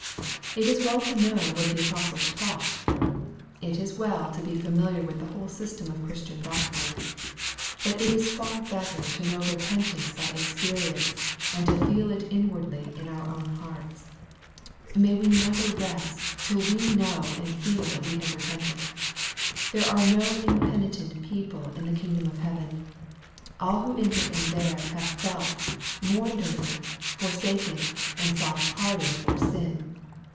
It is well to know what the apostles taught. It is well to be familiar with the whole system of Christian doctrine. But it is far better to know repentance by experience and to feel it inwardly in our own hearts. May we never rest till we know and feel that we have repented ! There are no impenitent people in the kingdom of heaven. All who enter in there have felt, mourned over, forsaken, and sought pardon for sin.